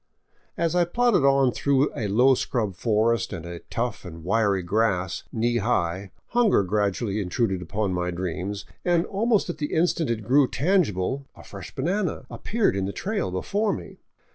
As I plodded on through a low scrub forest and a tough and wiry grass, knee high, hunger gradually intruded upon my dreams, and almost at the instant it grew tangible a fresh banana appeared in the trail before me.